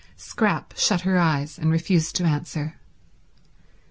Scrap shut her eyes and refused to answer.